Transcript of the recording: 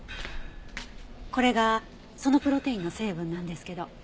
これがそのプロテインの成分なんですけど。